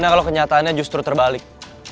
gimana kalo kenyataannya justru terbalik